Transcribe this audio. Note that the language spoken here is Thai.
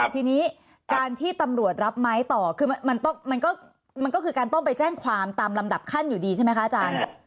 ทีนี้การที่ตำรวจรับไม้ต่อคือมันก็คือการต้องไปแจ้งความตามลำดับขั้นอยู่ดีใช่ไหมคะอาจารย์